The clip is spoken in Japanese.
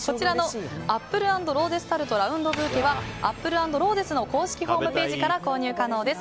アップル＆ローゼスタルトラウンドブーケはアップル＆ローゼスの公式ホームページから購入可能です。